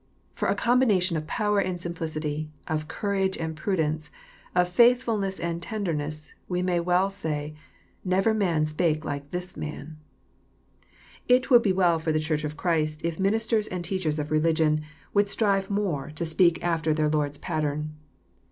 For a combination of power and simplicity, of courage and prudence, of faithfulness and tenderness, we may well say, " Never man spake like this Man !" It would be well for the Church of Christ if ministars and teachers of religion would strive more to speak after J0HN> CHAP. vn. 68 their Lord's pattern.